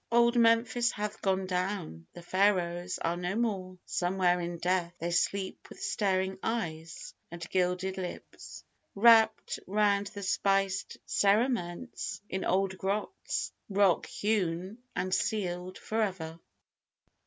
Old Memphis hath gone down: The Pharaohs are no more: somewhere in death They sleep with staring eyes and gilded lips, Wrapped round with spiced cerements in old grots Rock hewn and sealed for ever.